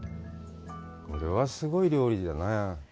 これはすごい料理だね。